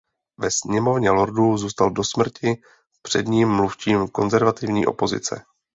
Ve Sněmovně lordů zůstal do smrti předním mluvčím konzervativní opozice.